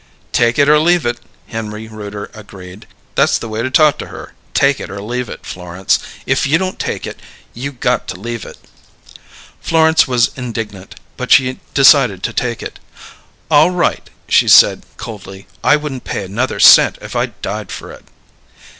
"Take it or leave it," Henry Rooter agreed. "That's the way to talk to her; take it or leave it, Florence. If you don't take it you got to leave it." Florence was indignant, but she decided to take it. "All right," she said coldly. "I wouldn't pay another cent if I died for it."